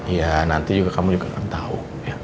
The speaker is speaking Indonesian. iya nanti juga kamu juga gak tau